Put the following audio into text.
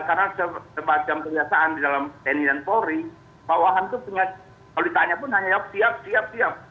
karena sebagian kebiasaan di dalam tni dan polri pak waham itu kalau ditanya pun hanya jawab siap siap siap